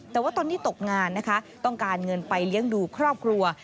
แต่ว่าตอนนี้ตกงานนะคะต้องการเงินไปเลี้ยงดูครอบครัว